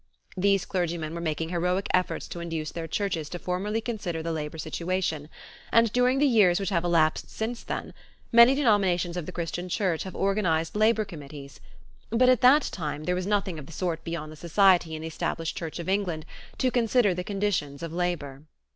These clergymen were making heroic efforts to induce their churches to formally consider the labor situation, and during the years which have elapsed since then, many denominations of the Christian Church have organized labor committees; but at that time there was nothing of the sort beyond the society in the established Church of England "to consider the conditions of labor."